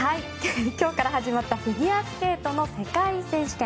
今日から始まったフィギュアスケートの世界選手権。